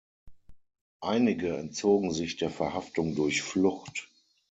Einige entzogen sich der Verhaftung durch Flucht.